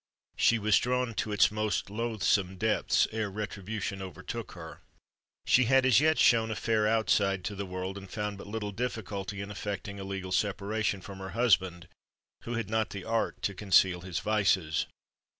She was drawn to its most loathsome depths ere retribution overtook her. She had as yet shewn a fair outside to the world, and found but little difficulty in effecting a legal separation from her husband, who had not the art to conceal his vices.